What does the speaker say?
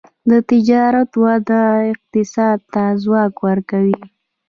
د تجارت وده اقتصاد ته ځواک ورکوي.